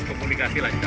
terima kasih pak ya